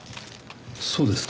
そうですか。